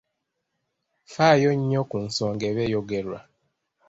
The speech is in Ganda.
Faayo nnyo ku nsonga eba eyogerwa.